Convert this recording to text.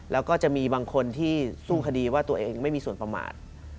แล้วก็จะมีบางคนที่สู้คดีว่าตัวเองไม่มีส่วนประมาท